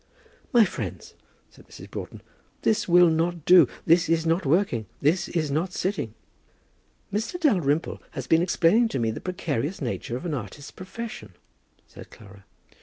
"My friends," said Mrs. Broughton, "this will not do. This is not working; this is not sitting." "Mr. Dalrymple has been explaining to me the precarious nature of an artist's profession," said Clara.